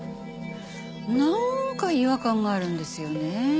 なんか違和感があるんですよねえ。